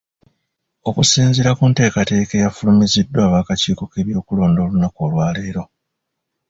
Okusinziira ku nteekateeka eyafulumiziddwa ab'akakiiko k'ebyokulonda olunaku lwaleero